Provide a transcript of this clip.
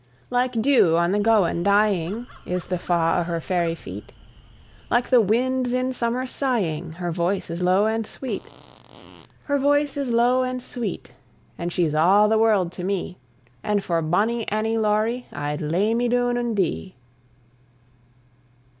Like dew on the gowan lying Is the fa' o' her fairy feet; Like the winds in summer sighing, Her voice is low and sweet Her voice is low and sweet; And she's a' the world to me; And for bonnie Annie Laurie I'd lay me doune and dee.